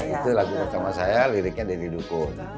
itu lagu pertama saya liriknya deddy dukun